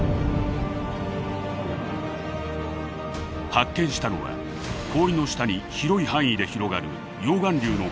発見したのは氷の下に広い範囲で広がる溶岩流の痕跡でした。